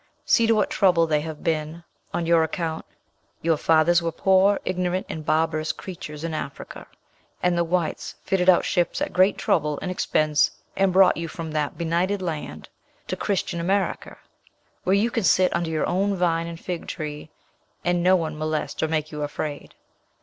See to what trouble they have been on your account. Your fathers were poor ignorant and barbarous creatures in Africa, and the whites fitted out ships at great trouble and expense and brought you from that benighted land to Christian America, where you can sit under your own vine and fig tree and no one molest or make you afraid.